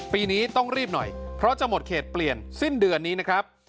ปีนี้ต้องรีบหน่อยเพราะจะหมดเขตเปลี่ยนสิ้นเดือนนี้นะครับ